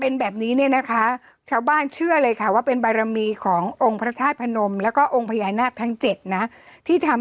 นี่แหละคุณพี่ต้องมีเลข๘อ่ะ